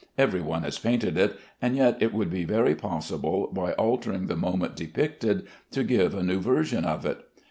Every one has painted it, and yet it would be very possible, by altering the moment depicted, to give a new version of it.